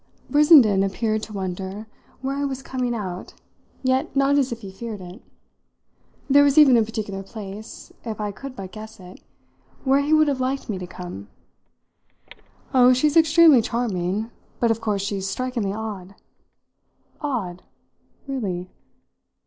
Brissenden appeared to wonder where I was coming out, yet not as if he feared it. There was even a particular place, if I could but guess it, where he would have liked me to come. "Oh, she's extremely charming. But of course she's strikingly odd." "Odd? really?"